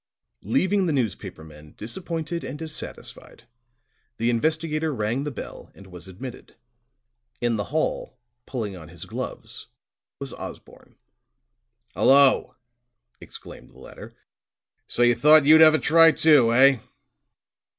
Leaving the newspaper men disappointed and dissatisfied, the investigator rang the bell and was admitted. In the hall, pulling on his gloves, was Osborne. "Hello!" exclaimed the latter. "So you thought you'd have a try, too, eh?"